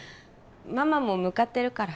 ママも向かってるから。